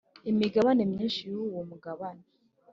imigabane myinshi yuwo mugabane